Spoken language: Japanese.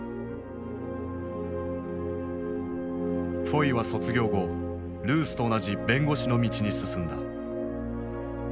フォイは卒業後ルースと同じ弁護士の道に進んだ。